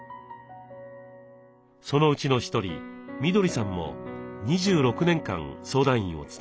そのうちの一人みどりさんも２６年間相談員を務めています。